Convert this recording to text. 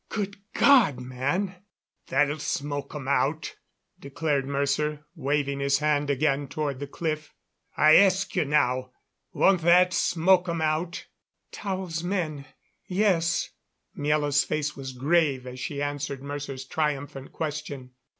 "Good God, man " "That'll smoke 'em out," declared Mercer, waving his hand again toward the cliff. "I ask you now, won't that smoke 'em out?" "Tao's men yes." Miela's face was grave as she answered Mercer's triumphant question.